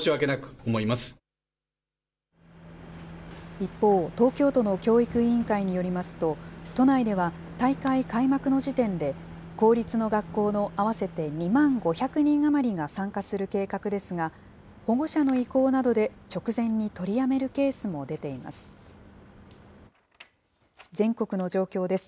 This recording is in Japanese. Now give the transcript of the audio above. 一方、東京都の教育委員会によりますと、都内では大会開幕の時点で公立の学校の合わせて２万５００人余りが参加する計画ですが、保護者の意向などで直前に取りやめるケースも出ています。